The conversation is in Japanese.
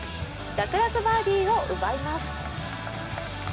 楽々バーディーを奪います。